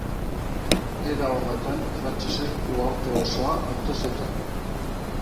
Era horretan, frantsesek uharte osoa hartu zuten.